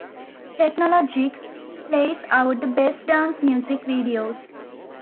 "Technologic" plays out the best dance music videos.